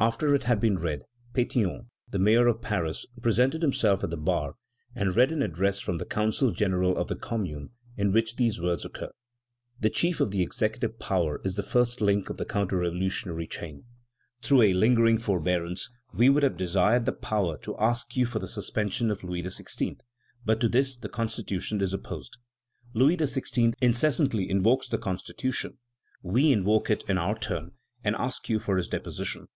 After it had been read, Pétion, the mayor of Paris, presented himself at the bar, and read an address from the Council General of the Commune, in which these words occur: "The chief of the executive power is the first link of the counter revolutionary chain.... Through a lingering forbearance, we would have desired the power to ask you for the suspension of Louis XVI., but to this the Constitution is opposed. Louis XVI. incessantly invokes the Constitution; we invoke it in our turn, and ask you for his deposition."